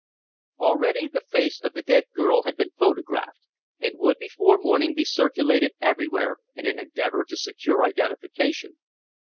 Already the face of the dead girl had been photographed, and would, before morning, be circulated everywhere in an endeavour to secure identification.